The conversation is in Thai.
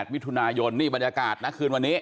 มิถุนายนนี่บรรยากาศนะคืนวันนี้